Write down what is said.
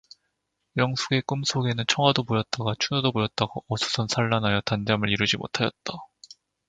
영숙의 꿈 속에는 청아도 보였다가 춘우도 보였다가 어수선 산란하여 단잠을 이루지 못하였다.